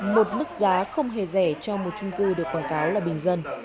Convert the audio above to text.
một mức giá không hề rẻ cho một trung cư được quảng cáo là bình dân